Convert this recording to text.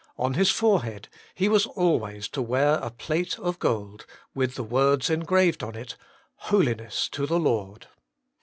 On his forehead he was always to wear a plate of gold, with the words engraved on it, HOLINESS TO THE LORD.